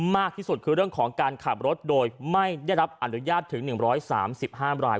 มากที่สุดคือเรื่องของการขับรถโดยไม่ได้รับอนุญาตถึงหนึ่งร้อยสามสิบห้ามราย